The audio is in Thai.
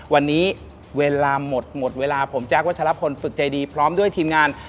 วันนี้เวลาหมดหมดเวลาผมแจ๊ควัชลพลฝึกใจดีพร้อมด้วยทีมงาน